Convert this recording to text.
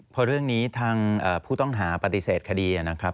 พอเรื่องนี้ทางผู้ต้องหารพิวัติเติมคดีนะครับ